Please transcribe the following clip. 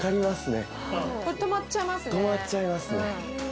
これ泊まっちゃいますね。